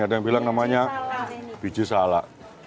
ada yang bilang namanya biji salak